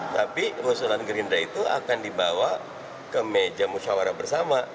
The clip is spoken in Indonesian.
tapi usulan gerindra itu akan dibawa ke meja musyawarah bersama